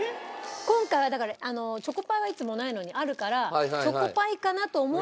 今回はだからチョコパイはいつもないのにあるから。